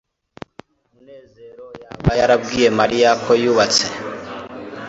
munezero yaba yarabwiye mariya ko yubatse